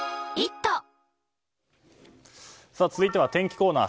続いては天気コーナー。